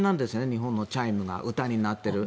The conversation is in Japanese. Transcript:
日本のチャイムが歌になっている。